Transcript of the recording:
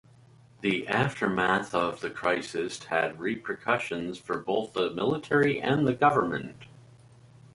The aftermath of the crisis had repercussions for both the Military and the government.